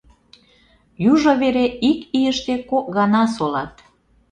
Южо вере ик ийыште кок гана солат.